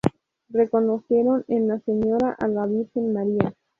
Reconocieron en la Señora a la Virgen María.